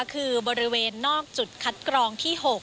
คือบริเวณนอกจุดคัดกรองที่๖